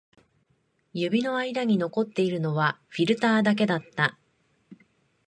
指の間に残っているのはフィルターだけだった